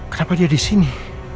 kenapa dia disini